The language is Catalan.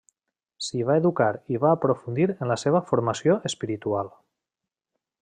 S'hi va educar i va aprofundir en la seua formació espiritual.